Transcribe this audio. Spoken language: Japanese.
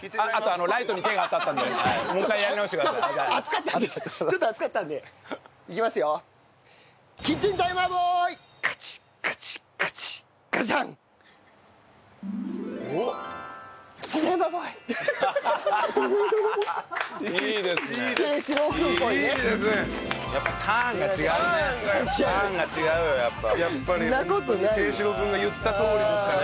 ホントに清志郎くんが言ったとおりでしたね。